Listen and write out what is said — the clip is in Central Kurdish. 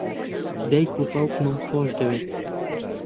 دایک و باوکمم خۆش دەوێن.